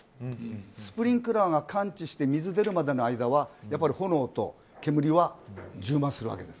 スプリンクラーが感知して水が出るまでの間はやっぱり炎と煙は充満するわけです。